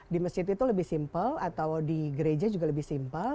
di masjid itu lebih simpel atau di gereja juga lebih simpel